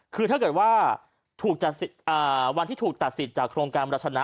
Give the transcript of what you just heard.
คือถ้าเกิดว่าถูกจัดวันที่ถูกตัดสิทธิ์จากโครงการบรรชนะ